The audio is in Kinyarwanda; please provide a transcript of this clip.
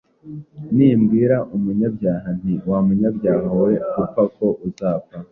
Nimbwira umunyabyaha nti ‘Wa munyabyaha we, gupfa ko uzapfa’